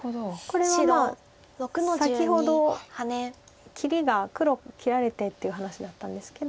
これは先ほど切りが黒が切られてっていう話だったんですけど。